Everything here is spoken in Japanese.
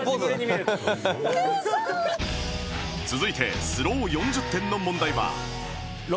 続いてスロー４０点の問題は